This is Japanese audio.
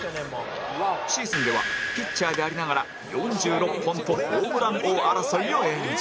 シーズンではピッチャーでありながら４６本とホームラン王争いを演じ